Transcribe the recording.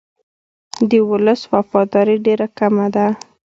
د ولس وفاداري ډېره کمه ده.